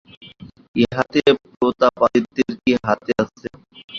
ইহাতে প্রতাপাদিত্যের কী হাত আছে।